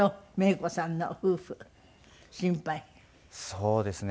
そうですね。